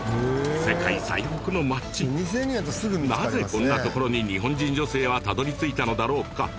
なぜこんなところに日本人女性はたどり着いたのだろうか？